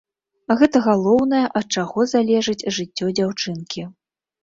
Гэта галоўнае, ад чаго залежыць жыццё дзяўчынкі.